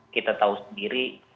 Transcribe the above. kita tahu sendiri